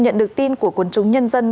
nhận được tin của quân chúng nhân dân